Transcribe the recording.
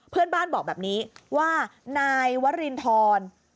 เพื่อนบ้านบอกแบบนี้ว่านายวรินทร